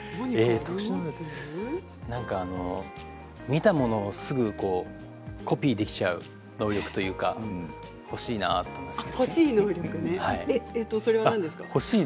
見たものをすぐコピーできちゃう能力というか欲しいなと思います。